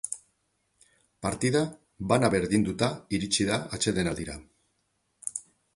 Partida bana berdinduta iritsi da atsedenaldira.